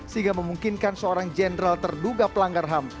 sehingga memungkinkan seorang jenderal terduga pelanggar ham